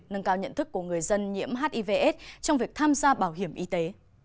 nâng cao nhận thức của người dân nhiễm hivs trong việc tham gia bảo hiểm y tế